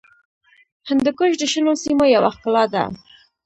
هندوکش د شنو سیمو یوه ښکلا ده.